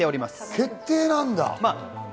決定なんだ。